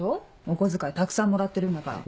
お小遣いたくさんもらってるんだから。